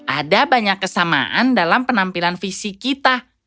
ada banyak kesamaan dalam penampilan visi kita